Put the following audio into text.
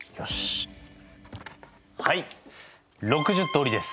はい６０通りです。